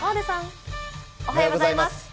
おはようございます。